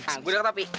nah gue udah ketapi